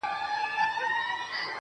زما پر مخ بــانــدي د اوښــــــكــــــو.